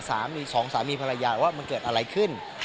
สามีสองสามีภรรยาว่ามันเกิดอะไรขึ้น